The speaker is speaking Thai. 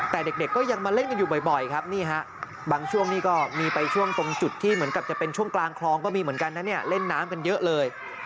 แต่เด็กก็ยังมาเล่นกันอยู่บ่อยครับนี่ฮะบางช่วงนี้ก็มีไปช่วงตรงจุดที่เหมือนกับจะเป็นช่วงกลางคลองก็มีเหมือนกันนะเนี่ยเล่นน้ำกันเยอะเลย